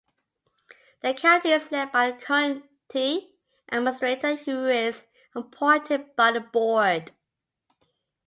The county is led by a county administrator, who is appointed by the board.